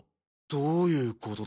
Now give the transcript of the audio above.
どういうことだ。